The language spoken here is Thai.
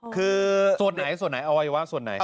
คือส่วนไหนส่วนไหนอวัยวะส่วนไหน